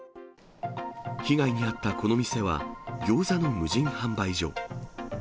被害に遭ったこの店は、ギョーザの無人販売所。